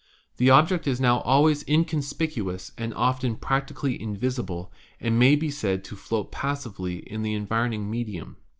The object is now always inconspicuous and often prac tically invisible, and may be said to float passively in the environing medium.